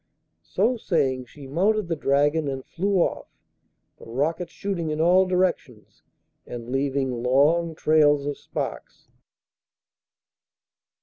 So saying she mounted the dragon and flew off, the rockets shooting in all directions and leaving long trails of sparks.